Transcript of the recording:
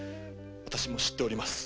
私も知っております。